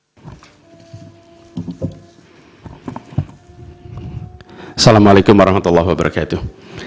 assalamu alaikum warahmatullahi wabarakatuh